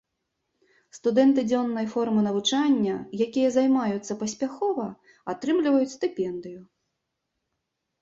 Студэнты дзённай формы навучання, якія займаюцца паспяхова, атрымліваюць стыпендыю.